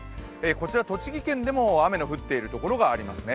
こちら栃木県でも雨の降っているところがありますね。